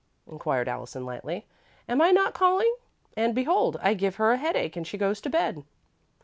inquired Allison, lightly. "Am I not calling? And behold, I give her a headache and she goes to bed."